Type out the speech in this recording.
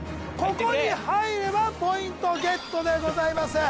ここに入ればポイントゲットでございます